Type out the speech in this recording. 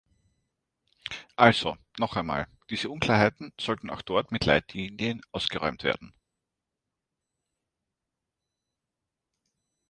Also, noch einmal, diese Unklarheiten sollten auch dort mit Leitlinien ausgeräumt werden.